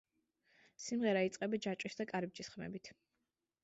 სიმღერა იწყება ჯაჭვის და კარიბჭის ხმებით.